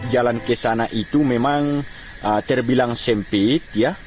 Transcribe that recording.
jalan ke sana itu memang terbilang sempit